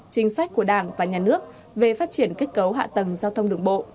chính sách của đảng và nhà nước về phát triển kết cấu hạ tầng giao thông đường bộ